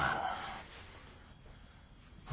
あ。